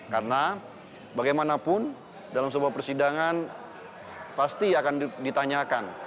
karena bagaimanapun dalam sebuah persidangan pasti akan ditanyakan